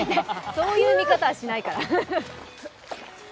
そういう見方はしないから。